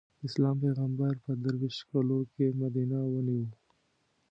د اسلام پېغمبر په درویشت کالو کې مدینه ونیو.